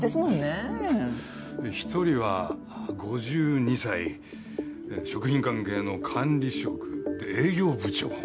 えぇ１人は５２歳食品関係の管理職。で営業部長。